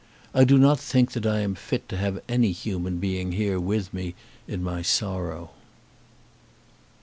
I do not think that I am fit to have any human being here with me in my sorrow."